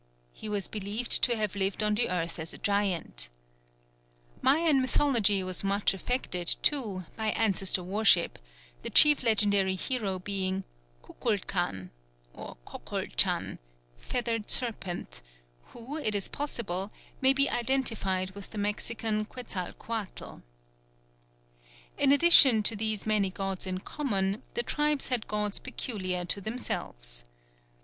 He was believed to have lived on the earth as a giant. Mayan mythology was much affected, too, by ancestor worship, the chief legendary hero being Cuculcan (Cocol Chan), "feathered serpent," who, it is possible, may be identified with the Mexican Quetzalcoatl. In addition to these many gods in common, the tribes had gods peculiar to themselves.